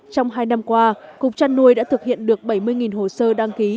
trong hai năm qua cục trăn nuôi đã thực hiện được bảy mươi hồ sơ đăng ký